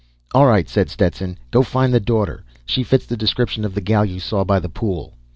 "All right," said Stetson. "Go find the daughter. She fits the description of the gal you saw by the pool."